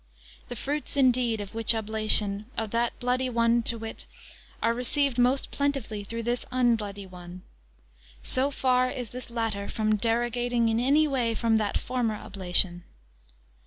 The fruits indeed of which oblation, of that bloody one to wit, are received most plentifully through this unbloody one; so far is this (latter) from derogating in any way from that (former oblation).